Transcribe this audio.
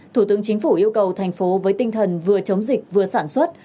thủ tướng chính phủ yêu cầu thành phố với tinh thần vừa chống dịch vừa sản xuất